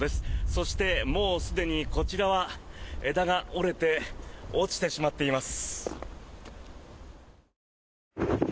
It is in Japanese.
そして、もうすでにこちらは枝が折れて落ちてしまっています。